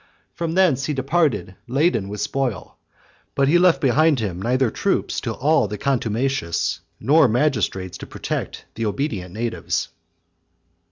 From thence he departed laden with spoil; but he left behind him neither troops to awe the contumacious, nor magistrates to protect the obedient, natives.